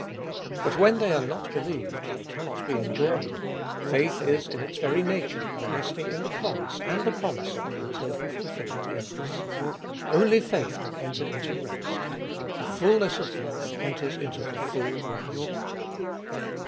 But when they are not believed they cannot be enjoyed : faith is in its very nature a resting in the promise and the promiser until He fulfil it in us. Only faith can enter into rest. The fulness of faith enters into the full rest.